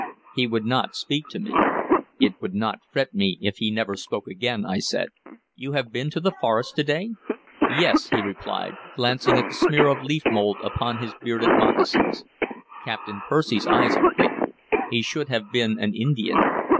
He would not speak to me." "It would not fret me if he never spoke again," I said. "You have been to the forest to day?" "Yes," he replied, glancing at the smear of leaf mould upon his beaded moccasins. "Captain Percy's eyes are quick; he should have been an Indian.